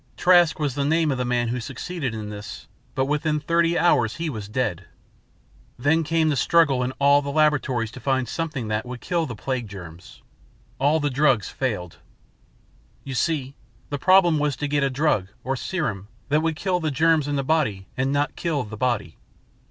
Trask was the name of the man who succeeded in this, but within thirty hours he was dead. Then came the struggle in all the laboratories to find something that would kill the plague germs. All drugs failed. You see, the problem was to get a drug, or serum, that would kill the germs in the body and not kill the body.